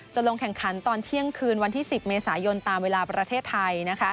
ลงแข่งขันตอนเที่ยงคืนวันที่๑๐เมษายนตามเวลาประเทศไทย